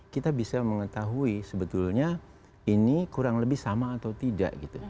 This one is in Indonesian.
kita bisa mengetahui sebetulnya ini kurang lebih sama atau tidak